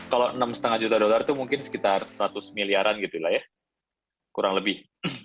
kalau enam lima juta dolar itu mungkin sekitar seratus miliaran gitu lah ya kurang lebih